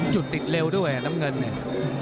ติดเร็วด้วยน้ำเงินเนี่ย